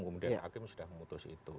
kemudian hakim sudah memutus itu